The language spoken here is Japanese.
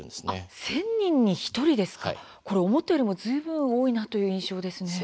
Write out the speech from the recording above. １０００人に１人思ったよりずっと多いなという印象です。